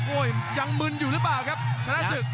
ยังมึนอยู่หรือเปล่าครับชนะศึก